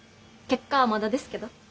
結果はまだですけど。